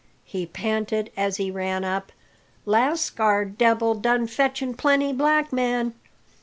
he panted, as he ran up, "Lascar debil done fetching plenty black man!"